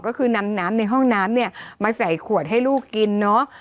ก็คือนำน้ำในห้องน้ำเนี่ยมาใส่ขวดให้ลูกกินเนาะ